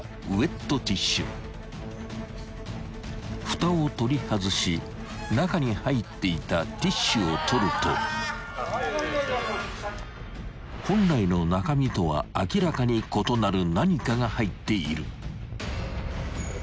［ふたを取り外し中に入っていたティッシュを取ると本来の中身とは明らかに異なる何かが入っている］